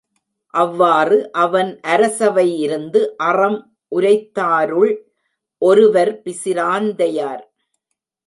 அவ்வாறு, அவன் அரசவை இருந்து அறம் உரைத்தாருள் ஒருவர் பிசிராந்தையார்.